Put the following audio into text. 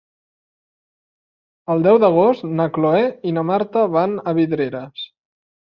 El deu d'agost na Cloè i na Marta van a Vidreres.